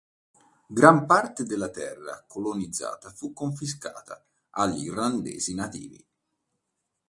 Gran parte della terra colonizzata fu confiscata agli irlandesi nativi.